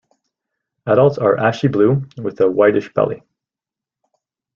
Adults are ashy blue, with a whitish belly.